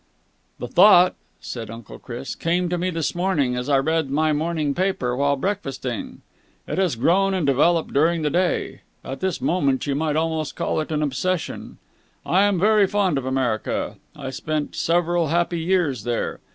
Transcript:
"The thought," said Uncle Chris, "came to me this morning, as I read my morning paper while breakfasting. It has grown and developed during the day. At this moment you might almost call it an obsession. I am very fond of America. I spent several happy years there.